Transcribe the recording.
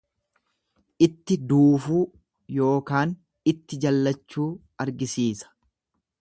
Itti duufuu ykn itti jallachuu argisiisa.